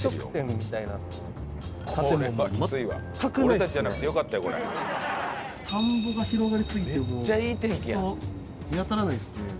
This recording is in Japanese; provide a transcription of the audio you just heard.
めちゃくちゃ田んぼが広がりすぎて人は見当たらないですね。